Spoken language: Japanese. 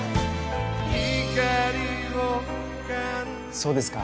そうですか。